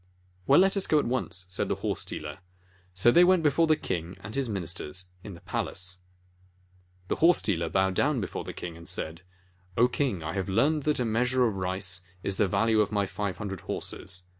"Well, let us go at once," said the horse dealer. So they went before the king and his ministers in the palace. The horse dealer bowed down before the king, and said: "O King, I have learned that a measure of rice is the value of my five hundred horses.